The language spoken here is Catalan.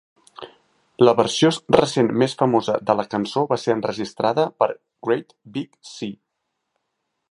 La versió recent més famosa de la cançó va ser enregistrada per Great Big Sea.